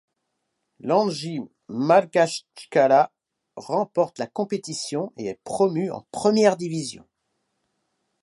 L'Anji Makhatchkala remporte la compétition et est promu en première division.